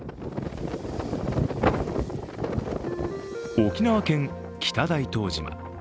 沖縄県北大東島。